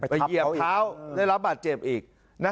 เหยียบเท้าได้รับบาดเจ็บอีก